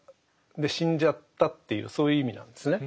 で死んじゃったっていうそういう意味なんですね。